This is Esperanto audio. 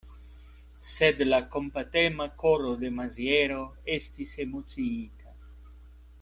Sed la kompatema koro de Maziero estis emociita.